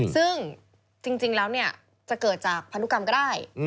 ซึ่งจริงแล้วจะเกิดจากพันธุกรรมก็ได้